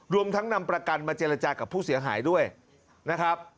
รวมทั้งนำประกันมาเจรจากับผู้เสียหายด้วยนะครับ